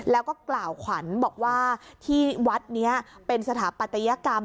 แล้วก็กล่าวขวัญบอกว่าที่วัดนี้เป็นสถาปัตยกรรม